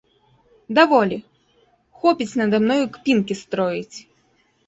Даволі, хопіць нада мною кпінкі строіць.